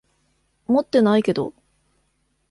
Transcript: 持ってないけど。